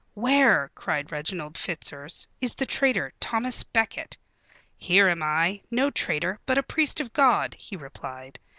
'Where,' cried Reginald Fitzurse, 'is the traitor, Thomas Becket?' 'Here am I, no traitor, but a priest of God,' he replied.